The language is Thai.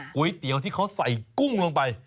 ก๋วยเตี๋ยวที่เขาใส่กุ้งลงไป